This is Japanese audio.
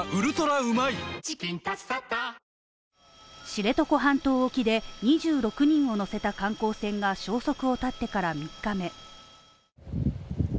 知床半島沖で２６人を乗せた観光船が消息を絶ってから３日目。